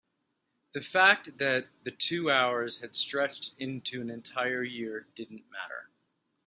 the fact that the two hours had stretched into an entire year didn't matter.